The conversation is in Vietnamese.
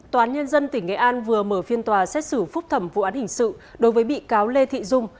tòa án nhân dân tỉnh nghệ an vừa mở phiên tòa xét xử phúc thẩm vụ án hình sự đối với bị cáo lê thị dung